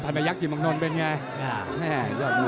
พันไปยักษ์จิตมงโดนเป็นอย่างไร